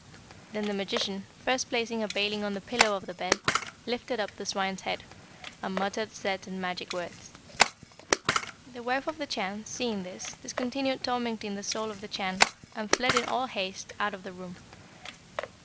Then the magician, first placing a baling on the pillow of the bed, lifted up the swine's head, and muttered certain magic words. "The wife of the Chan seeing this discontinued tormenting the soul of the Chan, and fled in all haste out of the room.